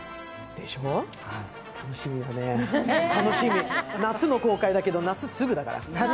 でしょ楽しみだね楽しみ夏の公開だけど夏すぐだから夏？